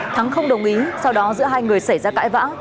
thắng không đồng ý sau đó giữa hai người xảy ra cãi vã